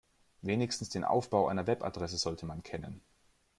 Wenigstens den Aufbau einer Webadresse sollte man kennen.